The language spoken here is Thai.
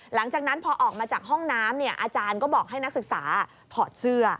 หลังจากนั้นพอออกมาจากห้องน้ำอาจารย์ก็บอกให้นักศึกษาถอดเสื้อ